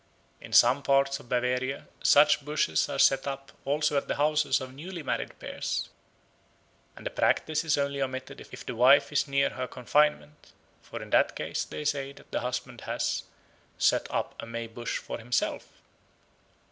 In some parts of Bavaria such bushes are set up also at the houses of newly married pairs, and the practice is only omitted if the wife is near her confinement; for in that case they say that the husband has "set up a May bush for himself."